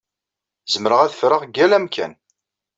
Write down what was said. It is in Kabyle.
Zemreɣ ad ffreɣ deg yal amkan.